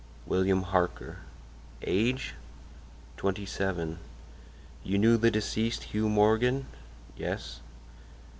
"William Harker." "Age?" "Twenty seven." "You knew the deceased, Hugh Morgan?" "Yes."